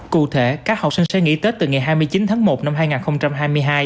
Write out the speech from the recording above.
cụ thể các học sinh sẽ nghỉ tết từ ngày hai mươi chín tháng một năm hai nghìn hai mươi hai